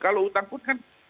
kalau hutang pun kan